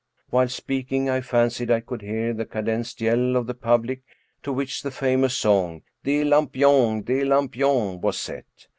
While speaking, I fancied I could hear that cadenced yell of the public to which the famous song, " Des lampions, des lam pions" was set.